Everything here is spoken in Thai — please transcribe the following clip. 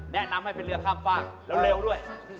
แนะนำให้เป็นเรือข้ามฝากเร็วด้วย